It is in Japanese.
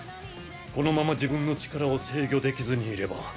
このまま自分の力を制御できずにいれば